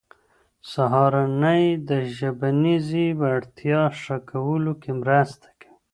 سهارنۍ د ژبنیزې وړتیا ښه کولو کې مرسته کوي.